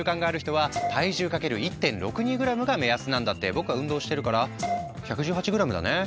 僕は運動をしてるから１１８ｇだね。